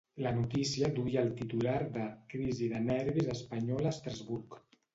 La notícia duia el titular de ‘Crisi de nervis espanyola a Estrasburg’.